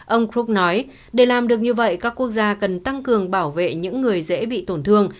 ông krok nói để làm được như vậy các quốc gia cần tăng cường bảo vệ những người dễ bị tổn thương